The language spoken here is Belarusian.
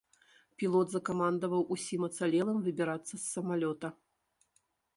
Пілот закамандаваў усім ацалелым выбірацца з самалёта.